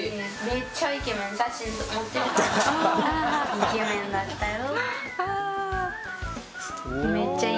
イケメンだったよ。